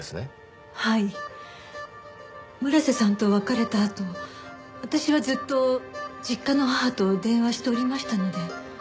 村瀬さんと別れたあと私はずっと実家の母と電話しておりましたので。